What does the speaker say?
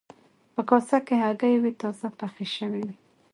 په کاسه کې هګۍ وې تازه پخې شوې وې.